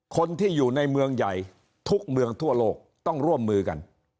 คนที่อยู่ในเมืองใหญ่ทุกเมืองทั่วโลกต้องร่วมมือกัน